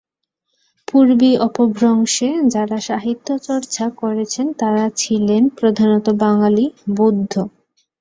পূর্বী অপভ্রংশে যাঁরা সাহিত্য চর্চা করেছেন তাঁরা ছিলেন প্রধানত বাঙালি বৌদ্ধ।